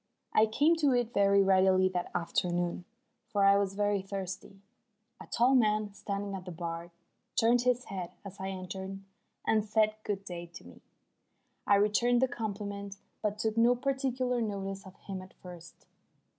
I came to it very readily that afternoon, for I was very thirsty. A tall man standing at the bar turned his head as I entered and said "Good day" to me. I returned the compliment, but took no particular notice of him at first.